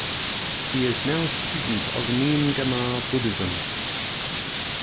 He is now a student of Nyingma Buddhism.